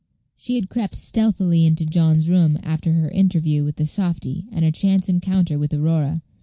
She had crept stealthily into John's room after her interview with the softy and her chance encounter with Aurora.